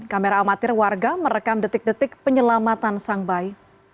kamera amatir warga merekam detik detik penyelamatan sang bayi